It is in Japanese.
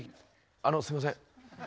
あのすいません。